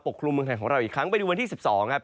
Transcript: กลุ่มเมืองไทยของเราอีกครั้งไปดูวันที่๑๒ครับ